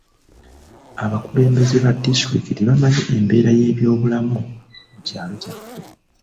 Abakulembeze ba disitulikiti bamanyi embeera y'ebyobulamu mu kyalo kyaffe.